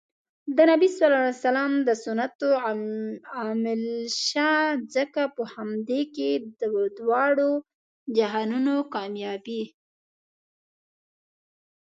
د نبي ص د سنتو عاملشه ځکه په همدې کې د دواړو جهانونو کامیابي